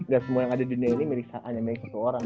gak semua yang ada di dunia ini milik a nya milik satu orang